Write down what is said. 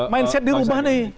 mindset di rumah nih